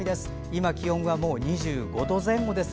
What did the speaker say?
今、気温は２５度前後です。